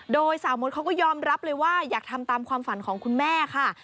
โดยสาวมดเขาก็ยอมรับเลยว่าอยากทำตามความฝันของคุณแม่ค่ะ